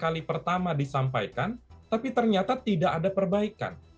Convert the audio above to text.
kali pertama disampaikan tapi ternyata tidak ada perbaikan